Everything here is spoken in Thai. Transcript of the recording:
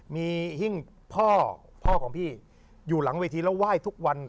มีหิ้งพ่อพ่อของพี่อยู่หลังเวทีแล้วไหว้ทุกวัน